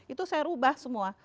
itu saya ubah semua